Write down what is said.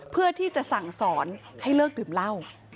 เพื่อที่จะสั่งสอนให้เลิกดื่มเหล้า